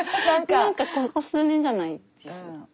なんかここ数年じゃないですか。